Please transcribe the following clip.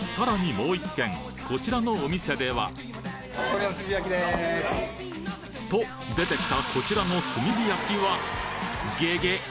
もう１軒こちらのお店ではと出てきたこちらの炭火焼きはゲゲッ！